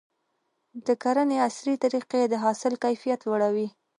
د کرنې عصري طریقې د حاصل کیفیت لوړوي.